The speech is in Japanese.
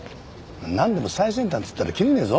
なんでも最先端っつったらきりねえぞ。